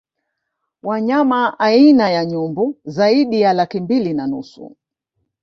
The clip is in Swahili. Wanyama aina ya Nyumbu zaidi ya laki mbili na nusu